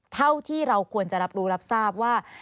เท่าที่เราควรจะรับรู้รับทราบว่า